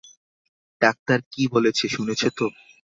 Doctor কী বলেছে শুনেছ তো?